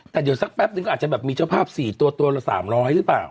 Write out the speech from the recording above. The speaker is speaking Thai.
แต่เดี๋ยวสักแป๊บนึงก็อาจจะแบบมีเจ้าภาพ๔ตัวตัวละ๓๐๐หรือเปล่า